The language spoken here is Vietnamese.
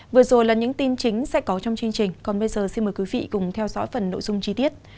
vừa rồi là những tin chính sẽ có trong chương trình còn bây giờ xin mời quý vị cùng theo dõi phần nội dung chi tiết